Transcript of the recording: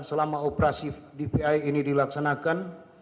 selama operasi dpi ini dilaksanakan